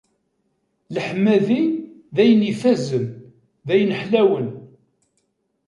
Leḥmadi, d ayen ifazen, d ayen ḥlawen.